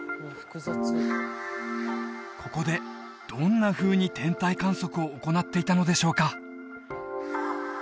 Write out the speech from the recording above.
ここでどんなふうに天体観測を行っていたのでしょうか？